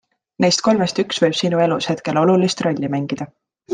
Neist kolmest üks võib sinu elus hetkel olulist rolli mängida.